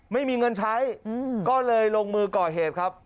ไม่มีเงินใช้ก็เลยลงมือก่อเหตุครับ